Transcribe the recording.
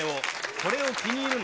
これを気に入るな。